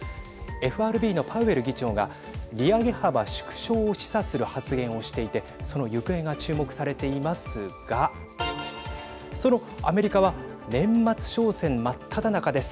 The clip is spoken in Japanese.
ＦＲＢのパウエル議長が利上げ幅縮小を示唆する発言をしていてその行方が注目されていますがそのアメリカは年末商戦真っただ中です。